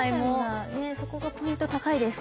そこがポイント高いです。